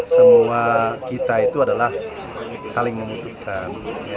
semua kita itu adalah saling membutuhkan